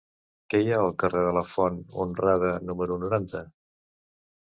Què hi ha al carrer de la Font Honrada número noranta?